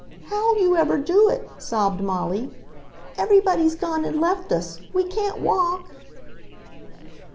"How'll you ever do it?" sobbed Molly. "Everybody's gone and left us. We can't walk!"